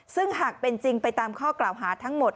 ซึ่งหากเป็นจริงไปตามข้อกล่าวหาทั้งหมด